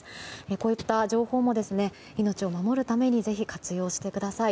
こういった情報も命を守るためにぜひ、活用してください。